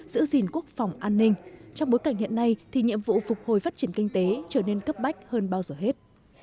giữ gìn quốc phòng an ninh trong bối cảnh hiện nay thì nhiệm vụ phục hồi phát triển kinh tế trở nên cấp bách hơn bao giờ hết